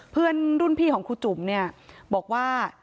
เพื่อนรุ่นพี่ของครูจุ๋มเนี่ยบอกว่า